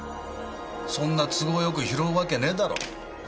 そんな都合よく拾うわけねぇだろ。